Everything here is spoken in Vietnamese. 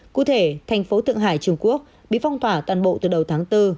cụ thể thành phố thượng hải trung quốc bị phong tỏa toàn bộ từ đầu tháng bốn